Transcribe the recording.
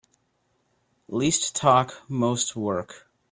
Least talk most work.